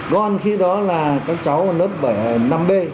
còn khi đó là các cháu lớp năm b